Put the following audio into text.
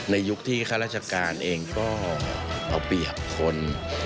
ยุคที่ข้าราชการเองก็เอาเปรียบคน